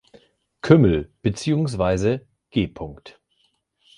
Kümmel“ beziehungsweise „G.